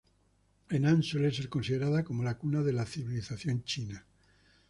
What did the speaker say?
Henan suele ser considerada como la cuna de la civilización china.